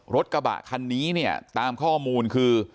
รถกระบะคันนี้เนี่ยตามข้อมูลคือ